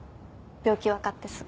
病気分かってすぐ。